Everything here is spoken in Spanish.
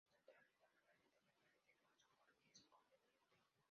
No obstante, la unidad normalmente permanece en uso porque es conveniente.